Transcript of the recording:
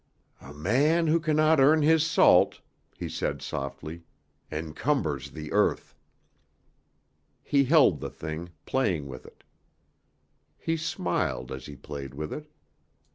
"A man who cannot earn his salt," he said softly, "encumbers the earth." He held the thing, playing with it. He smiled as he played with it.